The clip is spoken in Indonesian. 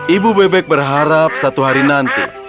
ibu bebek berharap satu hari nanti